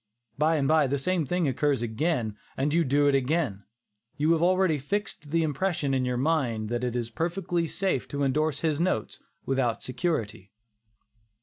By and by, the same thing occurs again, and you do it again; you have already fixed the impression in your mind that it is perfectly safe to indorse his notes without security.